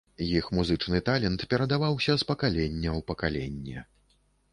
Іх музычны талент перадаваўся з пакалення ў пакаленне.